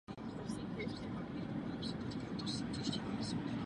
Základem je červená stuha se širokým modrým pruhem při obou okrajích.